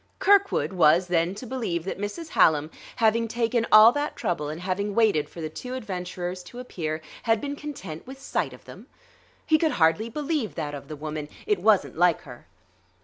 Kirkwood was, then, to believe that Mrs. Hallam, having taken all that trouble and having waited for the two adventurers to appear, had been content with sight of them? He could hardly believe that of the woman; it wasn't like her.